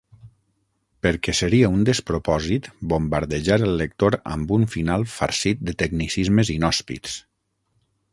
Perquè seria un despropòsit bombardejar el lector amb un final farcit de tecnicismes inhòspits.